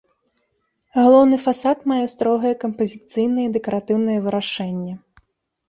Галоўны фасад мае строгае кампазіцыйнае і дэкаратыўнае вырашэнне.